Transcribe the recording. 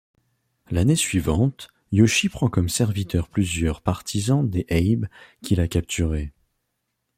L'année suivante, Yoshie prend comme serviteurs plusieurs partisans des Abe qu'il a capturés.